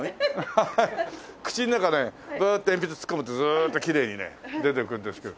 口の中ねグーッて鉛筆突っ込むとずっときれいにね出てくるんですけど。